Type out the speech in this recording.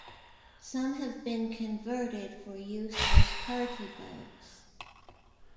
Some have been converted for use as party boats.